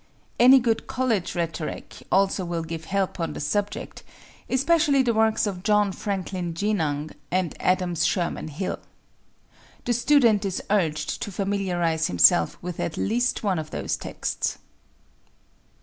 Any good college rhetoric also will give help on the subject, especially the works of John Franklin Genung and Adams Sherman Hill. The student is urged to familiarize himself with at least one of these texts.